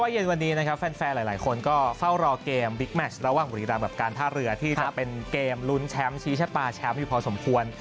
เย็นวันนี้นะครับแฟนหลายคนก็เฝ้ารอเกมบิ๊กแมชระหว่างบุรีรำกับการท่าเรือที่จะเป็นเกมลุ้นแชมป์ชี้ชะตาแชมป์อยู่พอสมควร